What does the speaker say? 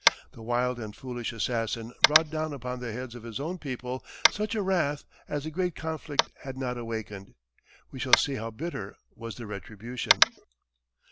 The wild and foolish assassin brought down upon the heads of his own people such a wrath as the great conflict had not awakened. We shall see how bitter was the retribution.